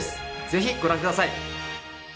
ぜひご覧ください